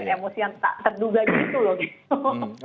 emosi yang tak terduga gitu loh gitu